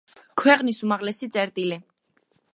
ქვეყნის უმაღლესი წერტილი.